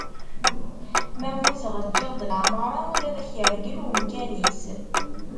Ma mmuteγ ǧiγ-d leɛmara, baba-k irgel umkan-is.